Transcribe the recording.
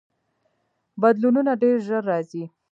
بدلونونه ډیر ژر راځي.